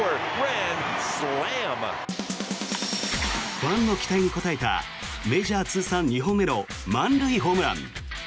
ファンの期待に応えたメジャー通算２本目の満塁ホームラン。